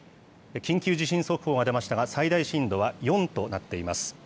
緊急地震速報が出ましたが、最大震度は４となっています。